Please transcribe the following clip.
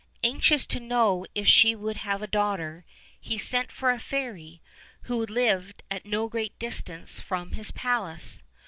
Anxious to know if she would have a daughter, he sent for a fairy who lived at no great distance from his palace.